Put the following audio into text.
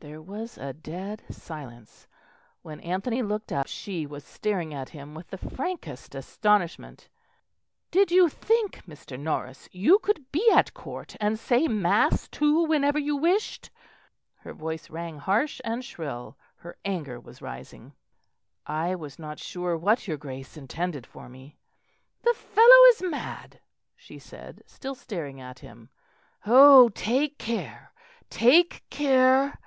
There was a dead silence; when Anthony looked up, she was staring at him with the frankest astonishment. "Did you think, Mr. Norris, you could be at Court and say mass too whenever you wished?" Her voice rang harsh and shrill; her anger was rising. "I was not sure what your Grace intended for me." "The fellow is mad," she said, still staring at him. "Oh! take care, take care!"